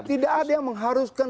tidak ada yang mengharuskan